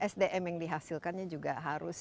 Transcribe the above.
sdm yang dihasilkannya juga harus